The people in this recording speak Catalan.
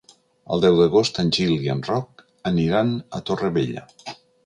El deu d'agost en Gil i en Roc aniran a Torrevella.